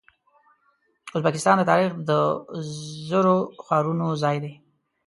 ازبکستان د تاریخ د زرو ښارونو ځای دی.